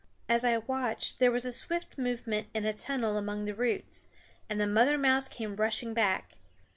As I watched there was a swift movement in a tunnel among the roots, and the mother mouse came rushing back.